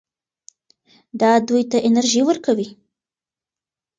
دا دوی ته انرژي ورکوي.